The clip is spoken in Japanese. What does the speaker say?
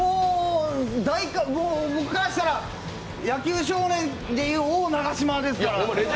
僕からしたら野球少年でいう王・長嶋ですから。